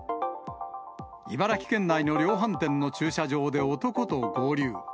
茨城県内の量販店の駐車場で男と合流。